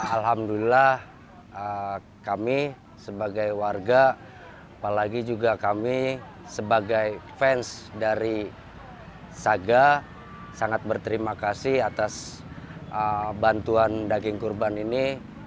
alhamdulillah kami sebagai warga apalagi juga kami sebagai fans dari saga sangat berterima kasih atas bantuan daging kurban ini